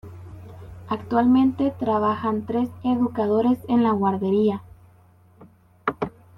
Actualmente trabajan tres educadores en la guardería.